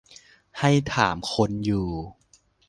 ให้ถามคนอยู่